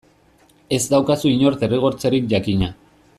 Ez daukazu inor derrigortzerik, jakina.